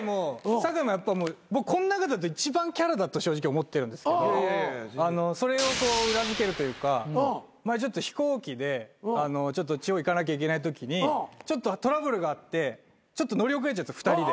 酒井もやっぱもうこん中だと一番キャラだと正直思ってるんですけどそれを裏付けるというか前飛行機で地方行かなきゃいけないときにちょっとトラブルがあってちょっと乗り遅れちゃって２人で。